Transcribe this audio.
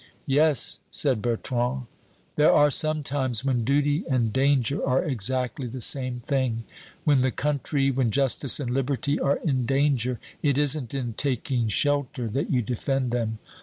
"Yes," said Bertrand, "there are some times when duty and danger are exactly the same thing; when the country, when justice and liberty are in danger, it isn't in taking shelter that you defend them.